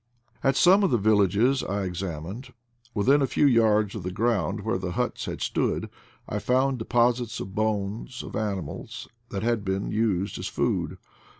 At some of the villages I examined, within a few yards of the ground where the huts had stood, I found deposits of bones of animals that had been used as food.